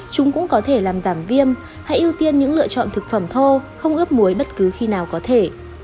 chúng cũng có thể làm giảm viêm hãy ưu tiên những lựa chọn thực phẩm thô không ướp muối bất cứ khi nào có thể